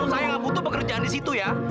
saya nggak butuh pekerjaan di situ ya